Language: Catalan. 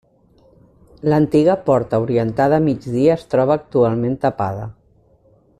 L'antiga porta orientada a migdia es troba actualment tapada.